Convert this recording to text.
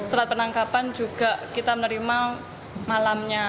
serat penangkapan juga kita menerima malamnya